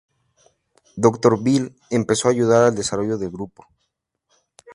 Dr. Bill empezó a ayudar al desarrollo del grupo.